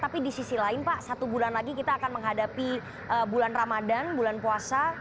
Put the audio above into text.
tapi di sisi lain pak satu bulan lagi kita akan menghadapi bulan ramadan bulan puasa